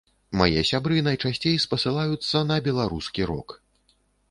Мае сябры найчасцей спасылаюцца на беларускі рок.